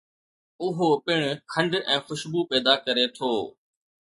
اهو پڻ کنڊ ۽ خوشبو پيدا ڪري ٿو